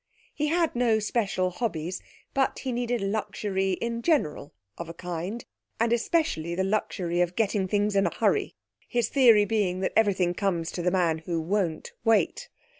He had no special hobbies, but he needed luxury in general of a kind, and especially the luxury of getting things in a hurry, his theory being that everything comes to the man who won't wait.